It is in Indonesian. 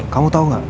kamu tau ga